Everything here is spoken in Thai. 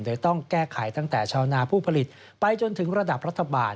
โดยต้องแก้ไขตั้งแต่ชาวนาผู้ผลิตไปจนถึงระดับรัฐบาล